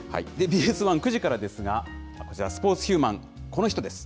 ＢＳ１、９時からですが、こちら、スポーツ×ヒューマン、この人です。